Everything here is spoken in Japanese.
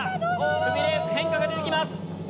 クビレース変化が出て来ます。